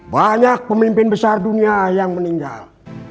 banyak pemimpin besar dunia yang meninggal